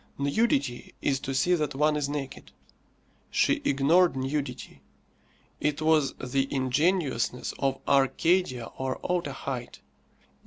Nudity is to see that one is naked. She ignored nudity. It was the ingenuousness of Arcadia or Otaheite.